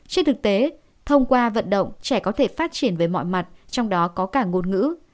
trên thực tế thông qua vận động trẻ có thể phát triển về mọi mặt trong đó có cả ngôn ngữ